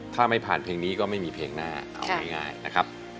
ถ้าไม่ผ่านเพลงนี้ก็ไม่มีเพลงหน้าเอาง่ายนะครับ